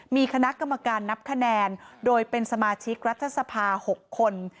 มีคณะกรรมการนับคะแนนโดยเป็นสมาชิกรัฐสภา๖คน